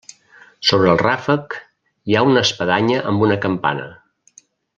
Sobre el ràfec hi ha una espadanya amb una campana.